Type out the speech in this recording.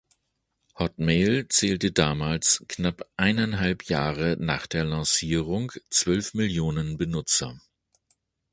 Hotmail zählte damals, knapp eineinhalb Jahre nach der Lancierung, zwölf Millionen Benutzer.